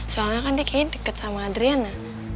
soalnya kan dia kayaknya deket sama adriana